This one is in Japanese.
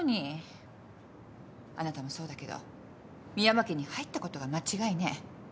あなたもそうだけど深山家に入ったことが間違いね。